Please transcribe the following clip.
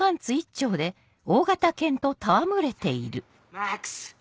マックス！